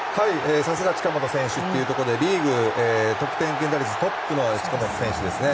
さすが近本選手ということでリーグ得点圏打率トップの近本選手ですね。